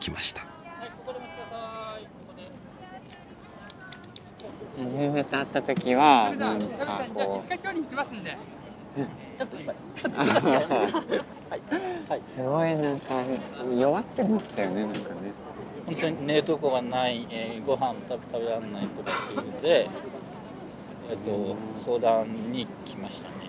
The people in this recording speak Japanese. ほんとに寝るとこがないごはん食べらんないとかっていうので相談に来ましたね。